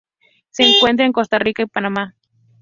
Se encuentra en Costa Rica y Panamá.